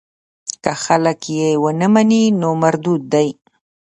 که خلک یې ونه مني نو مردود دی.